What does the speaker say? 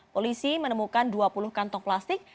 polisi menemukan dua puluh kantong plastik